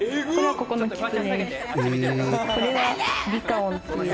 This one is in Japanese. これはリカオンっていう。